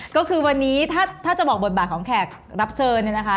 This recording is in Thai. ก็คือวันนี้ถ้าจะบอกบทบาทของแขกรับเชิญเนี่ยนะคะ